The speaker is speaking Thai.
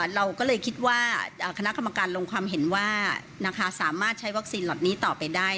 เราก็เลยคิดว่าคณะกรรมการลงความเห็นว่าสามารถใช้วัคซีนเหล่านี้ต่อไปได้